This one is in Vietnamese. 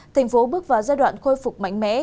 tp hcm bước vào giai đoạn khôi phục mạnh mẽ